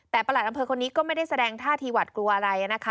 แต่ประหลัดอำเภอคนนี้ก็ไม่ได้แสดงท่าทีหวัดกลัวอะไรนะคะ